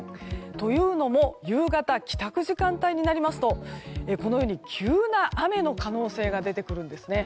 というのも、夕方帰宅時間帯になりますとこのように急な雨の可能性が出てくるんですね。